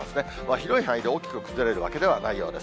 広い範囲で大きく崩れるわけではないようです。